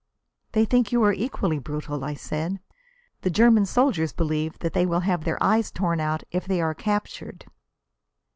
"They think you are equally brutal," I said. "The German soldiers believe that they will have their eyes torn out if they are captured."